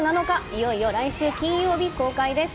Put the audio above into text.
いよいよ来週金曜日公開です！